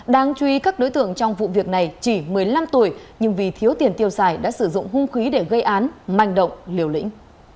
đáng chú ý các đối tượng trong vụ việc này chỉ một mươi năm tuổi nhưng vì thiếu tiền tiêu xài đã sử dụng hung khí để gây án manh động liều lĩnh